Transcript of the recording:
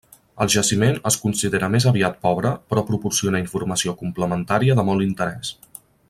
El jaciment es considera més aviat pobre però proporciona informació complementària de molt interès.